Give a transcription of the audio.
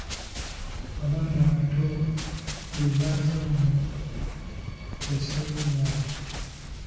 Abaana abato bwe bazannya lye ssanyu lyabwe.